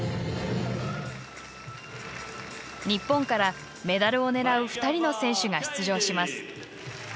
日本からメダルを狙う２人の選手が出場します。